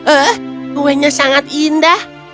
eh kuenya sangat indah